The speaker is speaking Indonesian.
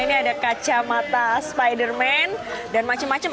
ini ada kacamata spiderman dan macem macem